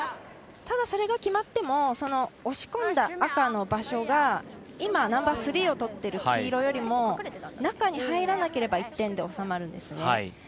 ただそれが決まっても押し込んだ赤の場所が今、ナンバースリーを取ってる黄色よりも中に入らなければ１点でおさまるんですね。